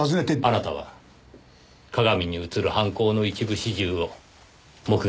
あなたは鏡に映る犯行の一部始終を目撃してしまったんです。